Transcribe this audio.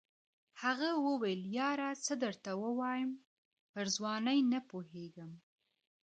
هغه وویل یاره څه درته ووایم پر ځوانۍ نه پوهېږم.